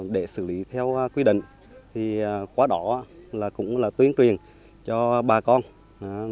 để xử lý theo quy định quả đỏ cũng là tuyến truyền cho bà con